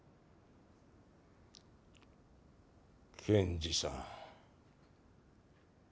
検事さん。